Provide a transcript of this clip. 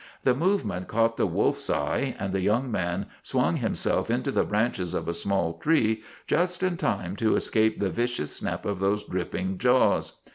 The movement caught the wolf's eye, and the young man swung himself into the branches of a small tree just in time to escape the vicious snap of those dripping jaws.